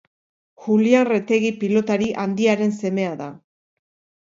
Julian Retegi pilotari handiaren semea da.